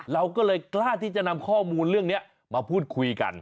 เราก็เลยกล้าที่จะนำข้อมูลเรื่องนี้มาพูดคุยกัน